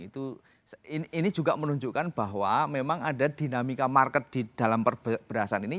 ini juga menunjukkan bahwa memang ada dinamika market di dalam berasan ini